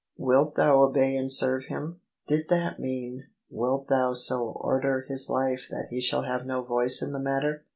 " Wilt thou obey and serve him? "— did that mean, " Wilt thou so order his life that he shall have no voice in the matter